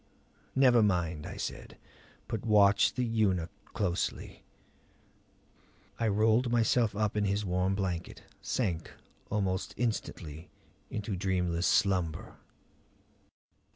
"Never mind," I said. "But watch the eunuch closely." I rolled myself up in his warm blanket; sank almost instantly into dreamless slumber.